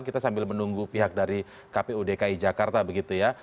kita sambil menunggu pihak dari kpu dki jakarta begitu ya